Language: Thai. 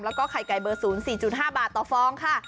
แล้วก็ไข่ไก่เบอร์๐๔๕บาทต่อฟองค่ะ